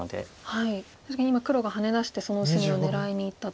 確かに今黒がハネ出してその薄みを狙いにいったと。